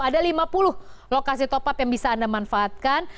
ada lima puluh lokasi top up yang bisa anda manfaatkan